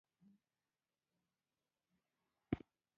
هغه څه چې تا بيا څو شېبې وروسته وکړل.